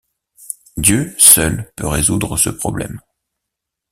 Dieu seul peut résoudre ce problème.